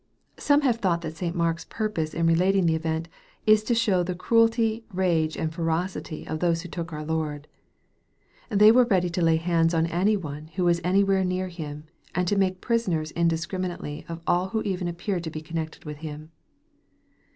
Some have thought that St. Mark's purpose in relating the event, is to show the cruelty, rage, and ferocity of those who took our Lord. They were ready to lay hands on any one who was any where near Him, and to make prisoners indiscriminately of all who even appeared to be connected with him.